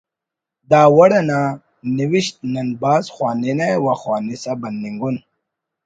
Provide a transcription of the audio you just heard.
دا وڑ انا نوشت نن بھاز خواننہ و خوانسا بننگ اُن